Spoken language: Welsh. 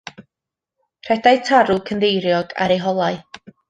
Rhedai tarw cynddeiriog ar eu holau.